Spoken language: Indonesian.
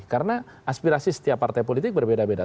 karena aspirasi setiap partai politik berbeda beda